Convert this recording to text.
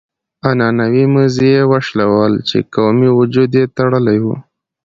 عنعنوي مزي يې وشلول چې قومي وجود يې تړلی و.